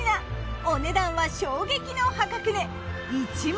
お値段は衝撃の破格値。